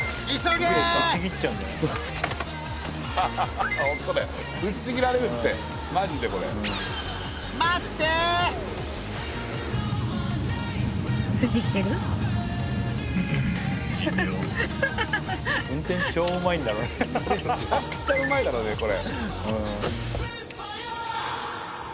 めちゃくちゃうまいだろうねこれ。